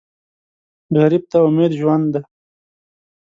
غریب ته امید ژوند دی